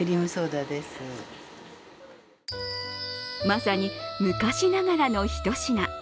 まさに、昔ながらの一品。